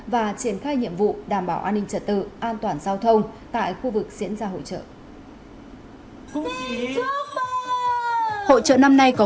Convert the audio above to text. và triển khai nhiệm vụ đảm bảo an ninh trật tự an toàn giao thông tại khu vực diễn ra hội trợ